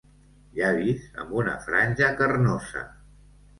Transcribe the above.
Llavis amb una franja carnosa.